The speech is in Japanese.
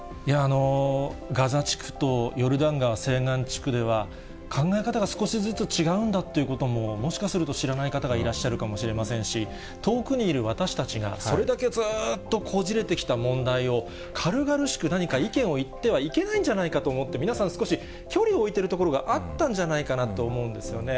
ガザ地区とヨルダン川西岸地区では、考え方が少しずつ違うんだっていうことも、もしかすると知らない方がいらっしゃるかもしれませんし、遠くにいる私たちがそれだけずっとこじれてきた問題を、軽々しく何か意見を言ってはいけないんじゃないかと思って、皆さん、少し距離を置いてるところがあったんじゃないかと思うんですよね。